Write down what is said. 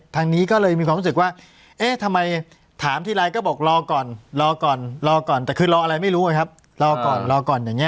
ทางนี้ก็เลยมีความรู้สึกว่าเอ๊ะทำไมถามทีไรก็บอกรอก่อนรอก่อนรอก่อนแต่คือรออะไรไม่รู้ไงครับรอก่อนรอก่อนอย่างนี้